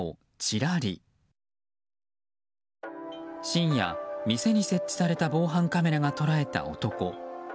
深夜、店に設置された防犯カメラが捉えた男。